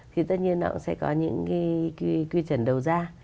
thì tất nhiên họ sẽ có những cái quy chuẩn đầu ra